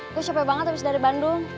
gue capek banget abis dari bandung